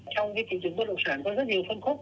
trong thị trường bất động sản có rất nhiều phân khúc